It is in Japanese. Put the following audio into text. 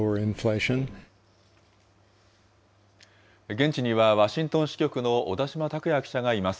現地には、ワシントン支局の小田島拓也記者がいます。